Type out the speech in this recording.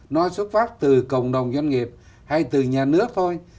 nó xuất phát từ cộng đồng doanh nghiệp hay từ nhà nước thôi